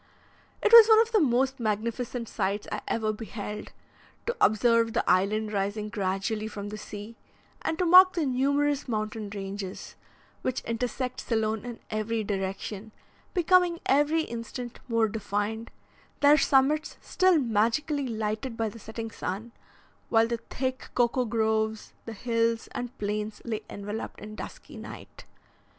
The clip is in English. It was one of the most magnificent sights I ever beheld, to observe the island rising gradually from the sea, and to mark the numerous mountain ranges, which intersect Ceylon in every direction, becoming every instant more defined, their summits still magically lighted by the setting sun, while the thick cocoa groves, the hills, and plains lay enveloped in dusky night.